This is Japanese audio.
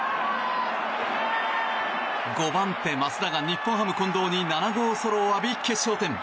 ５番手、増田が日本ハム、近藤に７号ソロを浴び、決勝点。